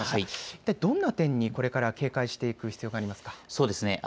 いったいどんな点にこれから警戒していく必要がありますか。